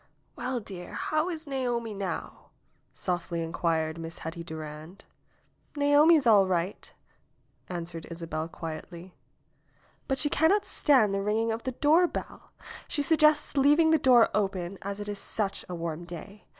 ^^ell, dear, how is Naomi now ?" softly inquired Miss Hetty Durand. ^^Naomi is all right," answered Isabel quietly, ^'but she cannot stand the ringing of the doorbell. She sug gests leaving the door open, as it is such a warm day.